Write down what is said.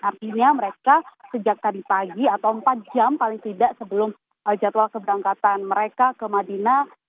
artinya mereka sejak tadi pagi atau empat jam paling tidak sebelum jadwal keberangkatan mereka ke madinah